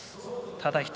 ただ１人